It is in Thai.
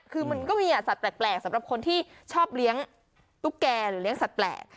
คือมันก็มีสัตว์แปลกสำหรับคนที่ชอบเลี้ยงตุ๊กแก่หรือเลี้ยสัตว์แปลก